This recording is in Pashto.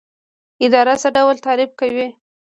اداره څه ډول تعریف کوئ؟